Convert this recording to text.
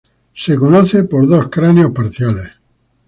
Se conoce por dos cráneos parciales.